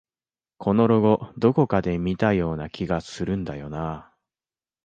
このロゴ、どこかで見たような気がするんだよなあ